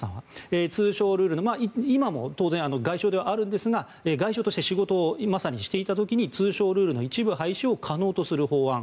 通商ルールの今も当然外相ではあるんですが外相として仕事をまさにしていた時に通商ルールの一部廃止を可能とする法案